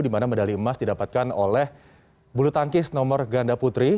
di mana medali emas didapatkan oleh bulu tangkis nomor ganda putri